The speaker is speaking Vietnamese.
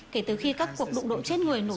kể từ khi các cuộc đụng độ chết người nổ